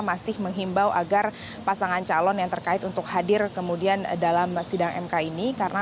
masih menghimbau agar pasangan calon yang terkait untuk hadir kemudian dalam sidang mk ini karena